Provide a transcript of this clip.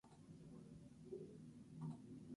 Además presenta listas superciliares y garganta blancas.